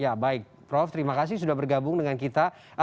ya baik prof terima kasih sudah bergabung dengan kita